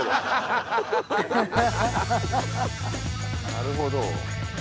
なるほど。